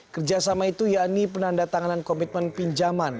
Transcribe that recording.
kerjasama itu yakni penanda tanganan komitmen pinjaman